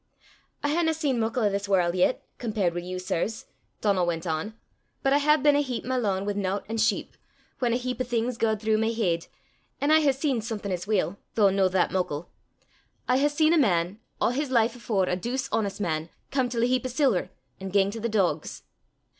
"I haena seen muckle o' this warl' yet, compared wi' you, sirs," Donal went on, "but I hae been a heap my lane wi' nowt an' sheep, whan a heap o' things gaed throuw my heid; an' I hae seen something as weel, though no that muckle. I hae seen a man, a' his life afore a douce honest man, come til a heap o' siller, an' gang to the dogs!"